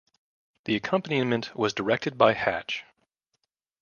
The accompaniment was directed by Hatch.